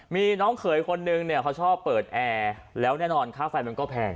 มีน้องเขยคนนึงเนี่ยเขาชอบเปิดแอร์แล้วแน่นอนค่าไฟมันก็แพง